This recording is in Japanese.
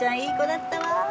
いい子だったわ。